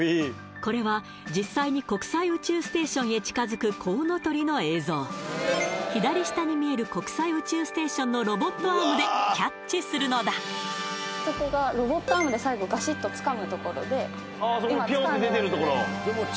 これは実際に国際宇宙ステーションへ近づくこうのとりの映像左下に見える国際宇宙ステーションのロボットアームでキャッチするのだ最後ガシッとあそこのピョンって出てるところ？